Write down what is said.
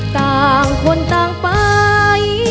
ต่างคนต่างไป